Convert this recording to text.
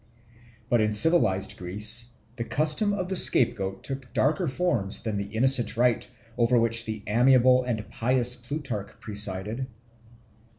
But in civilised Greece the custom of the scapegoat took darker forms than the innocent rite over which the amiable and pious Plutarch presided.